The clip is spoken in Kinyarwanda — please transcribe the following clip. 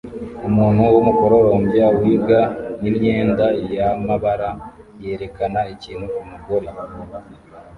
Umuntu wumukororombya wig n imyenda yamabara yerekana ikintu kumugore